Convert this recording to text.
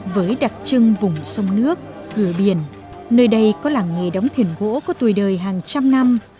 với đặc trưng vùng sông nước cửa biển nơi đây có làng nghề đóng thuyền gỗ có tuổi đời hàng trăm năm